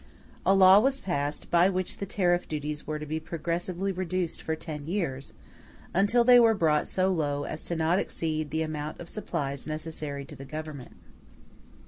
*d A law was passed, by which the tariff duties were to be progressively reduced for ten years, until they were brought so low as not to exceed the amount of supplies necessary to the Government.